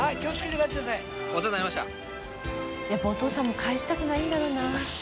やっぱお父さんも帰したくないんだろうな。